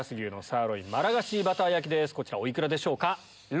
こちらお幾らでしょうか？